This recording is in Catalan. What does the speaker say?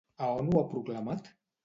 A on ho ha proclamat?